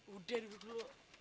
udah dibikin lo